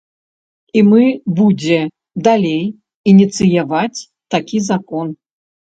І мы будзе далей ініцыяваць такі закон.